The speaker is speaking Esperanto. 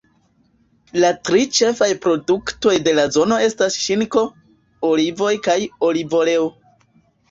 La tri ĉefaj produktoj de la zono estas ŝinko, olivoj kaj olivoleo.